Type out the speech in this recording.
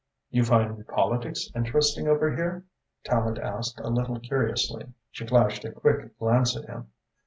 "You find politics interesting over here?" Tallente asked, a little curiously. She flashed a quick glance at him.